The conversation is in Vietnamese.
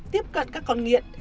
tiếp cận các con nghiện